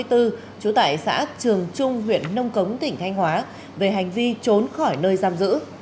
trú tại xã trường trung huyện nông cống tỉnh thanh hóa về hành vi trốn khỏi nơi giam giữ